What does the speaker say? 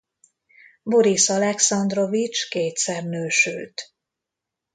Borisz Alekszandrovics kétszer nősült.